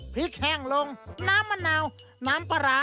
สีสันข่าวชาวไทยรัฐมาแล้วครับ